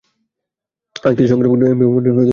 আজকে যে সংগ্রাম করি, এমপি বা মন্ত্রী হওয়ার জন্য করি না।